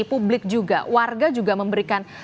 publik juga warga juga memberikan